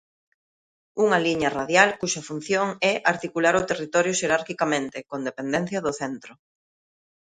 Unha liña radial cuxa función é articular o territorio xerarquicamente, con dependencia do centro.